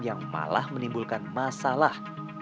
yang malah menimbulkan masalah